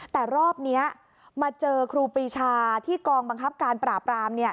แต่รอบนี้มาเจอครูปรีชาที่กองบังคับการปราบราม